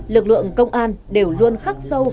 lực lượng công an đều luôn khắc sâu